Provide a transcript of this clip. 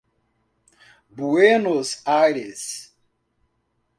Buenos Aires